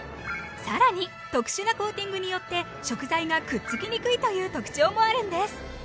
更に特殊なコーティングによって食材がくっつきにくいという特徴もあるんです